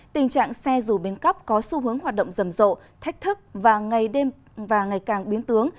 tình trạng xe dù biến cấp có xu hướng hoạt động rầm rộ thách thức và ngày càng biến tướng